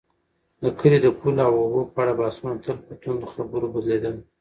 د کلي د پولو او اوبو په اړه بحثونه تل په توندو خبرو بدلېدل.